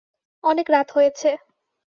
অনেক রাত হয়েছে।